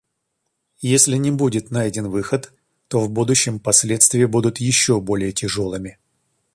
Если не будет найден выход, то в будущем последствия будут еще более тяжелыми.